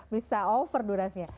bisa over durasnya